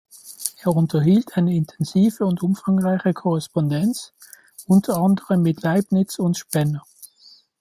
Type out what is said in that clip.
Er unterhielt eine intensive und umfangreiche Korrespondenz, unter anderem mit Leibniz und Spener.